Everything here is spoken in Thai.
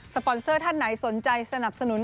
ปอนเซอร์ท่านไหนสนใจสนับสนุน